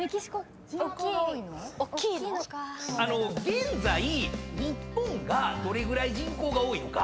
現在日本がどれぐらい人口が多いのか。